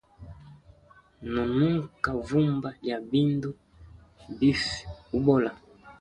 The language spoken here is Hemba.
No nunka vumba lya bindu bifa ubola.